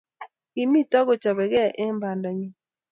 kimito kochabege eng bandanyi